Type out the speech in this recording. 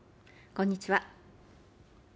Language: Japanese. こんにちは。